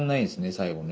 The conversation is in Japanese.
最後ね。